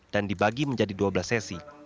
dan dibagi menjadi dua belas sesi